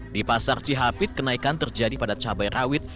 di pasar cihapit kenaikan terjadi pada cabai rawit